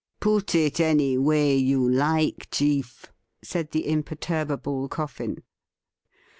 ' Put it any way you like, chief,' said the imperturbable Coffin.